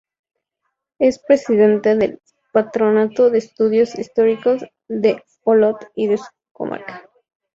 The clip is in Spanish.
Es presidente del patronato de Estudios Históricos de Olot y de su comarca.